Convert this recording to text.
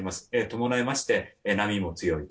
伴いまして波も強い。